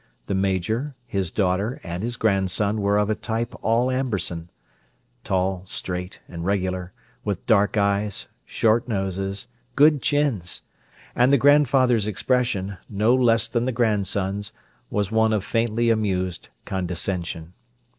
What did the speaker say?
The Major, his daughter, and his grandson were of a type all Amberson: tall, straight, and regular, with dark eyes, short noses, good chins; and the grandfather's expression, no less than the grandson's, was one of faintly amused condescension.